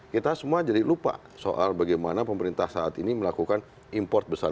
kita semua jadi lupa soal bagaimana pemerintah saat ini melakukan import besar